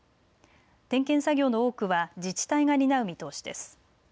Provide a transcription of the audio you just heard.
点検作業の多くは自治体が担う見通しです。